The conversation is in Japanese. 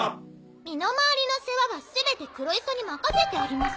身の回りの世話は全て黒磯に任せてあります。